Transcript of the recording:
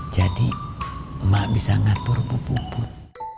jadi emak bisa ngatur pupuput